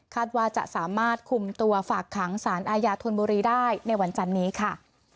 ว่าจะสามารถคุมตัวฝากขังสารอาญาธนบุรีได้ในวันจันนี้ค่ะ